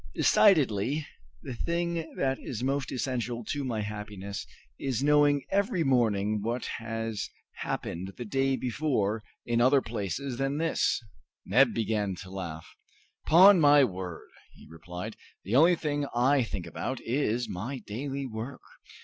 Decidedly the thing that is most essential to my happiness is the knowing every morning what has happened the day before in other places than this!" Neb began to laugh. "'Pon my word," he replied, "the only thing I think about is my daily work!"